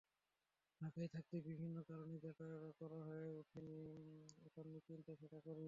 ঢাকায় থাকতে বিভিন্ন কারণে যেটা করা হয়ে ওঠেনি, এখন নিশ্চিন্তে সেটা করি।